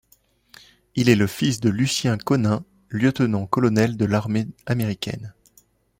Il est le fils de Lucien Conein, lieutenant-colonel de l'armée américaine.